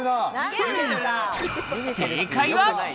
正解は。